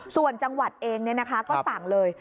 ส่วนจังหวัดเองก็สั่งเลย